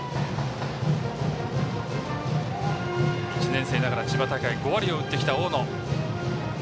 １年生ながら千葉大会５割を打ってきた大野。